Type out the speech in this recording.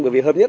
bởi vì hợp nhất